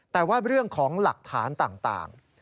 แต่ว่าเรื่องของหลักฐานต่าง